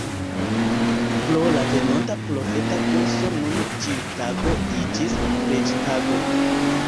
Pro la venonta profeta kurso nun ĉiu tago iĝis preĝtago.